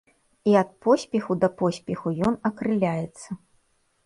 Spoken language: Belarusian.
І ад поспеху да поспеху ён акрыляецца.